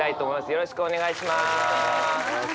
よろしくお願いします。